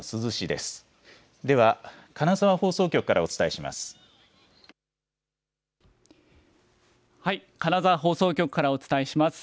では金沢放送局からお伝えします。